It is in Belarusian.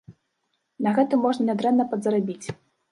На гэтым можна нядрэнна падзарабіць.